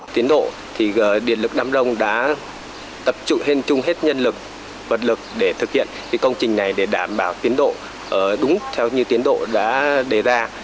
tiến độ thì điện lực đam rông đã tập trung hết nhân lực vật lực để thực hiện công trình này để đảm bảo tiến độ đúng theo như tiến độ đã đề ra